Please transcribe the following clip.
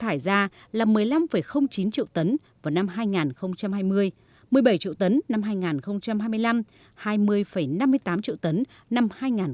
thải ra là một mươi năm chín triệu tấn vào năm hai nghìn hai mươi một mươi bảy triệu tấn năm hai nghìn hai mươi năm hai mươi năm mươi tám triệu tấn năm hai nghìn hai mươi